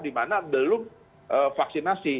di mana belum vaksinasi